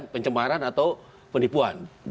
pencemaran atau penipuan